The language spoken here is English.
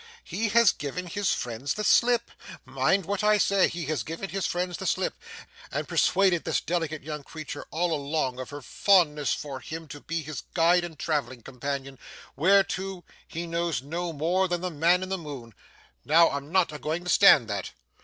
'He has given his friends the slip. Mind what I say he has given his friends the slip, and persuaded this delicate young creetur all along of her fondness for him to be his guide and travelling companion where to, he knows no more than the man in the moon. Now I'm not a going to stand that.